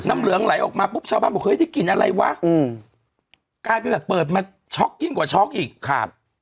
น้ำเหลืองไหลออกมาปุ๊บชาวบ้านบอกเฮ้ยได้กลิ่นอะไรวะอืมกลายเป็นแบบเปิดมาช็อกยิ่งกว่าช็อกอีกครับ